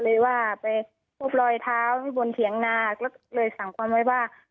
เลยว่าไปพบรอยเท้าบนเถียงนาแล้วก็เลยสั่งความไว้ว่า